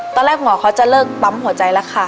ตอนแรกหมอเขาจะเลิกปั๊มหัวใจแล้วค่ะ